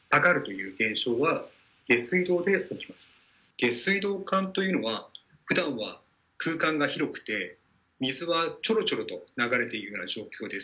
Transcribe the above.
下水道管というのは、普段は空間が広くて、水がちょろちょろと流れている状態です。